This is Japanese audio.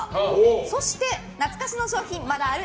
そして懐かしの商品まだある？